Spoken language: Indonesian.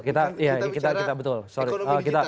kita bicara ekonomi digital